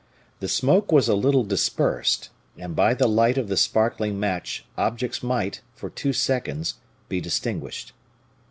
The smoke was a little dispersed, and by the light of the sparkling match objects might, for two seconds, be distinguished.